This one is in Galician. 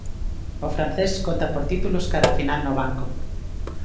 O francés conta por títulos cada final no banco.